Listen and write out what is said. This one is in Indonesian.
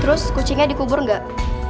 terus kucingnya dikubur enggak